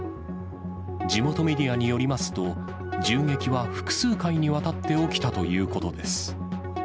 地元メディアによりますと、銃撃は複数回にわたって起きたということです。